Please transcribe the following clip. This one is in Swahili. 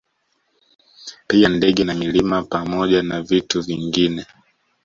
Pia ndege na milima pamoja na vitu vingine